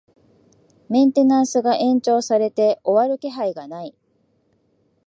メンテナンスが延長されて終わる気配がない